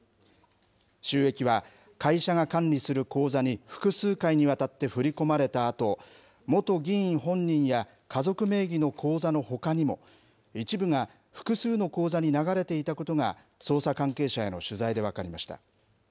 収益は会社が管理する口座に複数回にわたって振り込まれたあと、元議員本人や家族名義の口座のほかにも、一部が複数の口座に流れていたことが、捜査関係者への取材で分かりました。